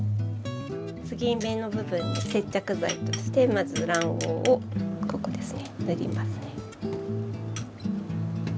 継ぎ目の部分に接着剤としてまず卵黄をここですね塗りますね。